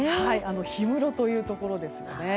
氷室というところですね。